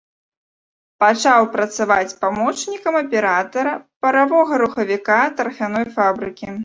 Пачаў працаваць памочнікам аператара паравога рухавіка тарфяной фабрыкі.